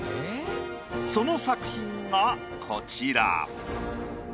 その作品がこちら。